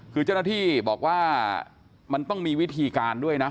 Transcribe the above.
คือเจ้าหน้าที่บอกว่ามันต้องมีวิธีการด้วยนะ